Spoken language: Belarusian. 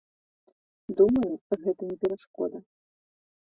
Думаю, гэта не перашкода.